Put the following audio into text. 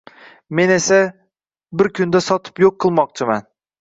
Men esa… bir kunda sotib yo'q qilmoqchiman